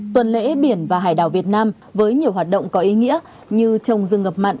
tuần lễ biển và hải đảo việt nam với nhiều hoạt động có ý nghĩa như trồng rừng ngập mặn